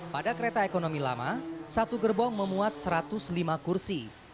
pada kereta ekonomi lama satu gerbong memuat satu ratus lima kursi